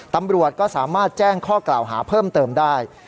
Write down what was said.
ตำรวจก็สามารถแจ้งข้อกล่าวหาเพิ่มเติมได้